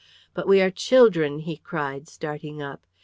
"But we are children," he cried, starting up.